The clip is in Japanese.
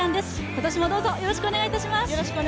今年もよろしくお願いします。